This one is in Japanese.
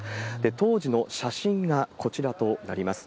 当時の写真がこちらとなります。